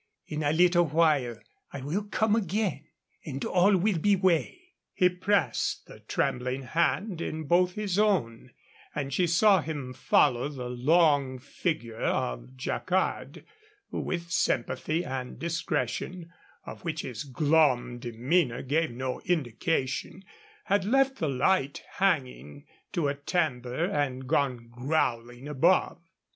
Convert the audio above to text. In a little while I will come again, and all will be well." He pressed the trembling hand in both his own, and she saw him follow the long figure of Jacquard, who with sympathy and discretion, of which his glum demeanor gave no indication, had left the light hanging to a timber and gone growling above.